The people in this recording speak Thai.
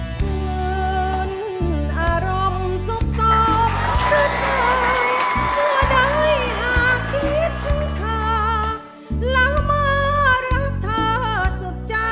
เชิญอารมณ์สกบใจไกลเพราะได้หากคิดกันเธอและมอบรักเธอสุขใจ